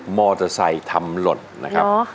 มอเตอร์ไซค์ทำหล่นนะครับ